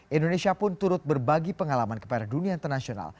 indonesia pun turut berbagi pengalaman kepada dunia internasional